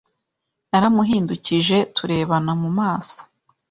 Naramuhindukije turebana mu maso,